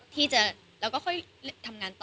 ที่จะแล้วก็ค่อยทำงานต่อ